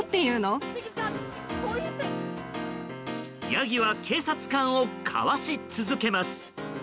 ヤギは警察官をかわし続けます。